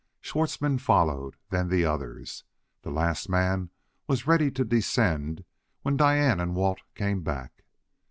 Schwartzmann followed; then the others. The last man was ready to descend when Diane and Walt came back.